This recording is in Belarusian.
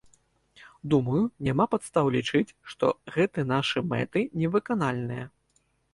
Думаю, няма падстаў лічыць, што гэты нашы мэты невыканальныя.